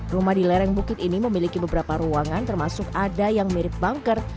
rumah di lereng bukit ini memiliki beberapa ruangan termasuk ada yang mirip bunker